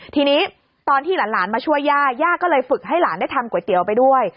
ทีนี้ตอนที่หลานมาช่วยย่าย่าก็เลยฝึกให้หลานได้ทำก๋วยเตี๋ยวไปด้วย